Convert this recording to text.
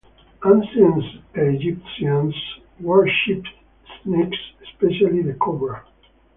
Ancient Egyptians worshipped snakes, especially the cobra.